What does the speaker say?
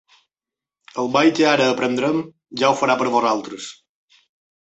El ball que ara aprendrem ja ho farà per vosaltres.